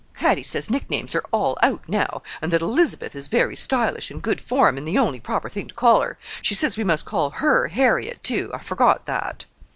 Hattie says nicknames are all out now, and that 'Elizabeth' is very stylish and good form and the only proper thing to call her. She says we must call her 'Harriet,' too. I forgot that."